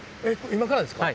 今からですか？